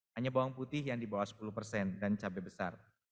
hanya bawang putih yang di bawah sepuluh persen dan cabai besar